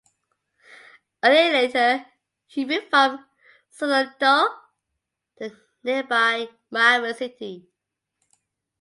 A year later he moved from Sausalito to nearby Marin City.